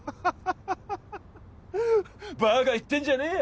バカ言ってんじゃねえよ